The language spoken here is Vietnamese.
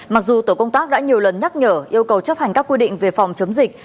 mặc dù tổ công tác đã nhiều lần nhắc nhở yêu cầu chấp hành các quy định về phòng chống dịch